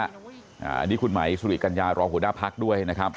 อันนี้คุณไหมสุริกัญญารองหัวหน้าพักด้วยนะครับ